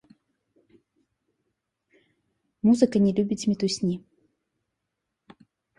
Музыка не любіць мітусні.